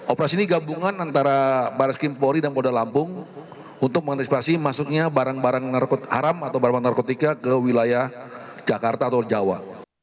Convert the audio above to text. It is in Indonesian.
operasi ini gabungan antara baris kimpori dan polda lampung untuk mengantisipasi masuknya barang barang haram atau barang narkotika ke wilayah jakarta atau jawa